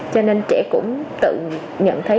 cho nên trẻ cũng tự nhận thấy